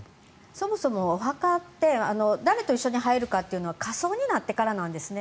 そもそもお墓って誰と一緒に入るかというのは火葬になってからなんですね。